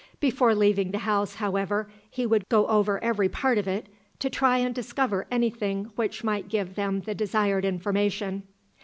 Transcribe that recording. Before leaving the house, however, he would go over every part of it, to try and discover any thing which might give them the desired information.